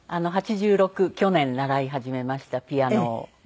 去年習い始めましたピアノを。